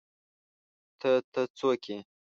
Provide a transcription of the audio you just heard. _ته، ته، څوک يې؟